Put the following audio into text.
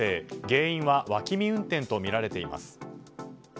原因は脇見運転とみられています。